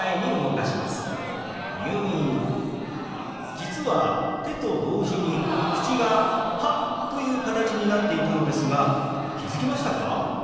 実は手と同時に口が「パ」という形になっていたのですが気付きましたか？